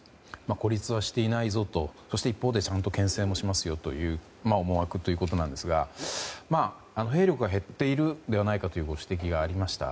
孤立はしていないぞとそして、一方でちゃんと牽制もしますよという思惑ということなんですが兵力が減っているのではないかというご指摘がありました。